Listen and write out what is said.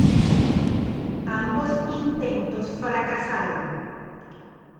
Ambos intentos fracasaron.